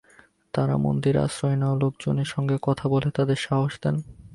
তাঁরা মন্দিরে আশ্রয় নেওয়া লোকজনের সঙ্গে কথা বলে তাঁদের সাহস দেন।